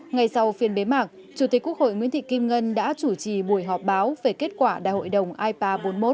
ngay sau phiên bế mạc chủ tịch quốc hội nguyễn thị kim ngân đã chủ trì buổi họp báo về kết quả đại hội đồng ipa bốn mươi một